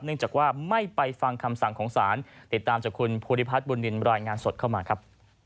จากว่าไม่ไปฟังคำสั่งของศาลติดตามจากคุณภูริพัฒนบุญนินรายงานสดเข้ามาครับ